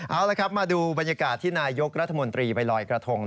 เอาละครับมาดูบรรยากาศที่นายยกรัฐมนตรีไปลอยกระทง